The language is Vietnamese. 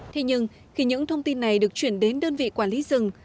thế nhưng khi những thông tin này được chuyển đến đơn vị quản lý rừng